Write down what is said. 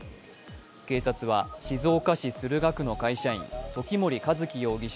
警察は静岡市駿河区の会社員、時森一輝容疑者